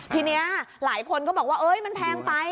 ทีนี้หลายคนก็บอกว่ามันแพงไป